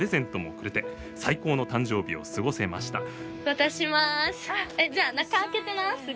渡します！